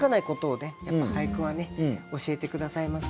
やっぱ俳句はね教えて下さいますから。